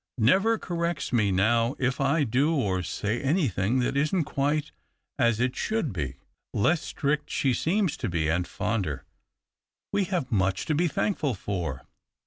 Never corrects me now if I do or say anything that isn't quite as it should be. Less strict she seems to be, and fonder. We have much to be thankful for.